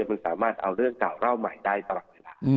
มันสามารถเอาเรื่องเก่าเล่าใหม่ได้ตลอดเวลา